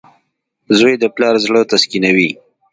• زوی د پلار زړۀ تسکینوي.